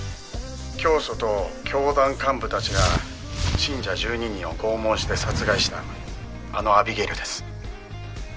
「教祖と教団幹部たちが信者１２人を拷問して殺害したあのアビゲイルです」